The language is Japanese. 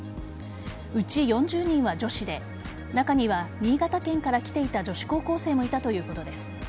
うち４０人は女子で中には新潟県から来ていた女子高校生もいたということです。